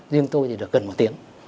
riêng tôi thì được gần một tiếng